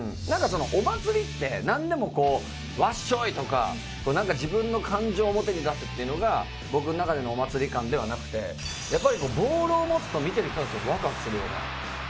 お祭りってなんでもこう「わっしょい」とかなんか自分の感情を表に出すっていうのが僕の中でのお祭り感ではなくてやっぱりボールを持つと見てる人たちがワクワクするような。